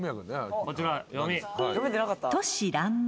こちら読み。